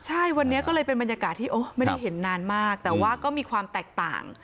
ใช่วันนี้ก็เลยเป็นบรรยากาศที่ไม่ได้เห็นนานมากแต่ว่าก็มีความแตกต่าง